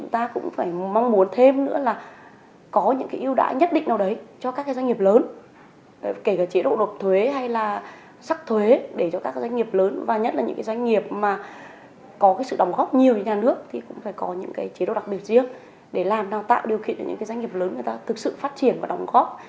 thì cũng phải có những chế độ đặc biệt riêng để làm nào tạo điều kiện cho những doanh nghiệp lớn người ta thực sự phát triển và đồng góp